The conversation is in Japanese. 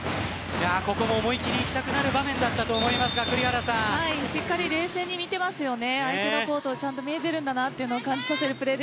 ここも思い切りいきたくなる場面だったと思いますが栗原さん。しっかり冷静に見ていますよね。